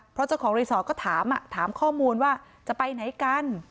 เพราะเจ้าของรีสอร์ทก็ถามถามข้อมูลว่าจะไปไหนกัน